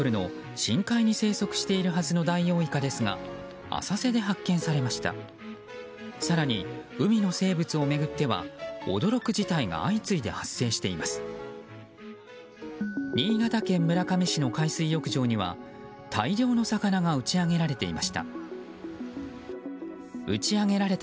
新潟県村上市の海水浴場には大量の魚が打ち揚げられていました。